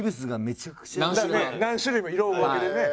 何種類も色分けでね。